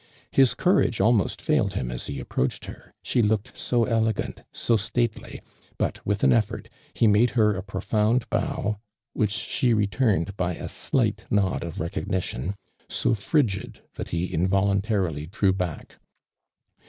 His courage almost failed him as he ap proached her, she looked so elegant, so stately, but with an effort, he made her a profound bow, which she returned by » slight nod of recognition, so frigid that he involuntarily drew back.